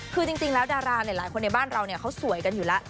คือจริงแล้วดาราหลายคนในบ้านเราเขาสวยกันอยู่แล้ว